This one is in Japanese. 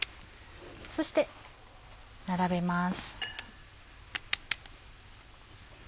そして並べます。